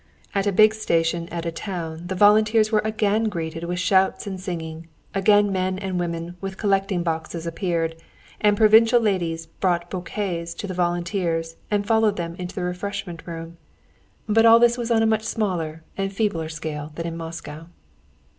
At a big station at a town the volunteers were again greeted with shouts and singing, again men and women with collecting boxes appeared, and provincial ladies brought bouquets to the volunteers and followed them into the refreshment room; but all this was on a much smaller and feebler scale than in Moscow.